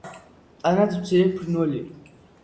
ტანად მცირე ფრინველია.